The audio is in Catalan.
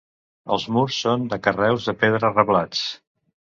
Els murs són de carreus de pedra reblats.